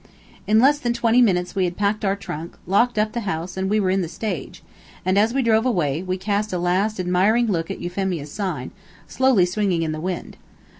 In less than twenty minutes we had packed our trunk, locked up the house, and were in the stage, and, as we drove away, we cast a last admiring look at Euphemia's sign, slowly swinging in the wind.